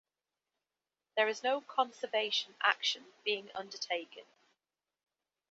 There is no conservation action being undertaken.